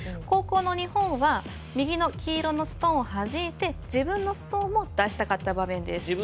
後攻の日本は右の黄色のストーンをはじいて自分のストーンを出したかった場面です。